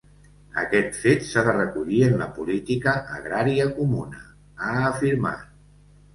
Aquest fet s’ha de recollir en la política agrària comuna, ha afirmat.